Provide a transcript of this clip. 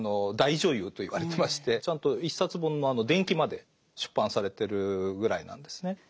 大女優といわれてましてちゃんと一冊本の伝記まで出版されてるぐらいなんですね。